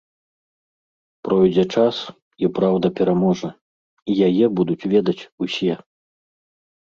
Пройдзе час, і праўда пераможа, і яе будуць ведаць усе.